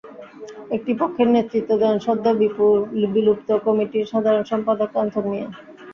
একটি পক্ষের নেতৃত্ব দেন সদ্য বিলুপ্ত কমিটির সাধারণ সম্পাদক কাঞ্চন মিয়া।